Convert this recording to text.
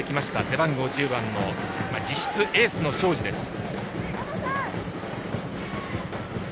背番号１０番の実質エースの庄司です。